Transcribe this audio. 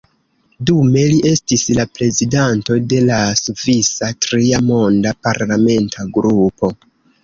Dume li estis la prezidanto de la “svisa-Tria Monda” parlamenta grupo.